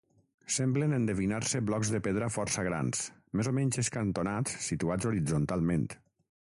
Semblen endevinar-se blocs de pedra força grans, més o menys escantonats situats horitzontalment.